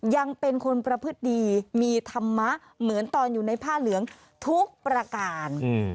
ยังเป็นคนประพฤติดีมีธรรมะเหมือนตอนอยู่ในผ้าเหลืองทุกประการ